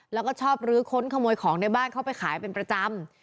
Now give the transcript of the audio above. แล้วก็ชอบลื้อค้นขโมยของในบ้านเข้าไปขายเป็นประจำ